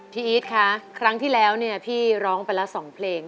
พี่อีทค่ะครั้งที่แล้วพี่ร้องไปละ๒เพลง